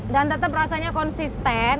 dan tetap rasanya konsisten